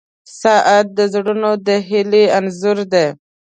• ساعت د زړونو د هیلې انځور دی.